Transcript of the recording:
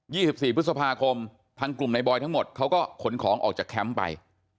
สิบสี่พฤษภาคมทางกลุ่มในบอยทั้งหมดเขาก็ขนของออกจากแคมป์ไป